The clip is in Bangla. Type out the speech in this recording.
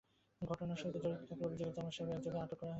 ঘটনার সঙ্গে জড়িত থাকার অভিযোগে জামাল নামের একজনকে আটক করা হয়েছে।